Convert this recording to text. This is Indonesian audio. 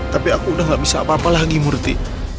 tapi aku udah gak bisa apa apa lagi murti